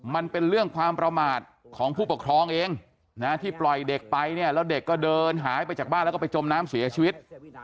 มันเป็นเรื่องความประมาทของผู้ปกครองเองนะที่ปล่อยเด็กไปเนี่ยแล้วเด็กก็เดินหายไปจากบ้านแล้วก็ไปจมน้ำเสียชีวิต